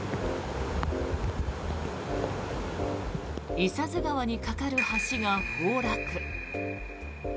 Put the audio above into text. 伊佐津川に架かる橋が崩落。